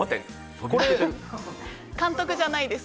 これ監督じゃないです。